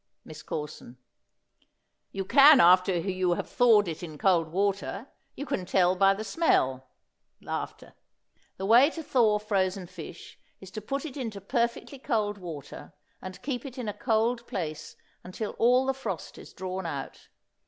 MISS CORSON. You can after you have thawed it in cold water; you can tell by the smell. The way to thaw frozen fish is to put it into perfectly cold water and keep it in a cold place until all the frost is drawn out.